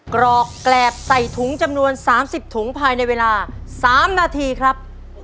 กรอกแกรบใส่ถุงจำนวน๓๐ถุงภายในเวลา๓นาทีครับ